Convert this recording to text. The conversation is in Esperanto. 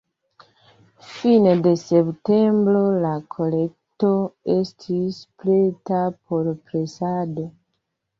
Fine de septembro la kolekto estis preta por presado.